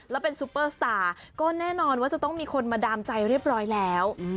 แล้วเป็นซุปเปอร์สตาร์ก็แน่นอนว่าจะต้องมีคนมาดามใจเรียบร้อยแล้ว